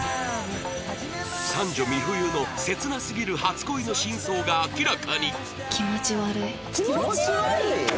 三女美冬の切なすぎる初恋の真相が明らかに